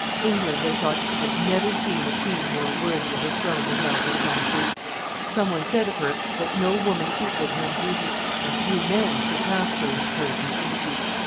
England, they thought, had never seen a queen more worthy of the throne than Margaret of Anjou. Some one said of her that no woman equaled her in beauty, and few men surpassed her in courage and energy.